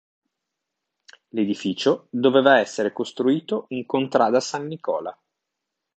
L'edificio doveva essere costruito in contrada San Nicola.